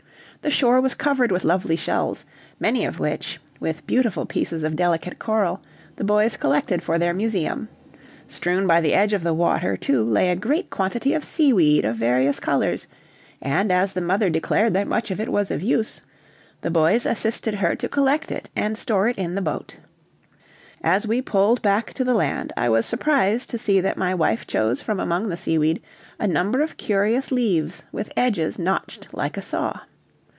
The shore was covered with lovely shells, many of which, with beautiful pieces of delicate coral, the boys collected for their museum; strewn by the edge of the water too lay a great quantity of seaweed of various colors, and as the mother declared that much of it was of use, the boys assisted her to collect it and store it in the boat. As we pulled back to the land I was surprised to see that my wife chose from among the seaweed a number of curious leaves with edges notched like a saw.